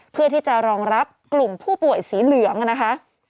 เพื่อที่จะรองรับกลุ่มผู้ป่วยสีเหลืองนะคะ